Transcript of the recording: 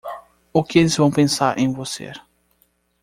O que eles vão pensar em você?